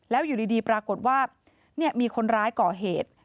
แล้วอยู่ดีปรากฏว่ามีคนร้ายก่อเหตุ